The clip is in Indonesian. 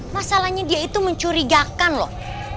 masalahnya dia itu mencurigakan loh